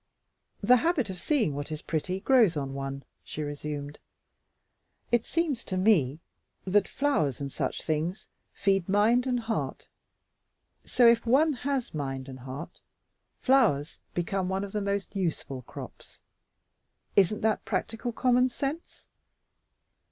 "The habit of seeing what is pretty grows on one," she resumed. "It seems to me that flowers and such things feed mind and heart. So if one HAS mind and heart, flowers become one of the most useful crops. Isn't that practical common sense?"